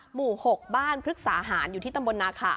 หมู่๖บ้านพฤกษาหารอยู่ที่ตำบลนาขา